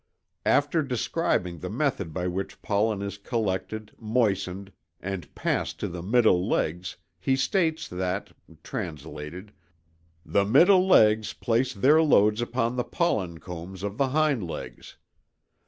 After describing the method by which pollen is collected, moistened, and passed to the middle legs he states that (translated) "the middle legs place their loads upon the pollen combs of the hind legs.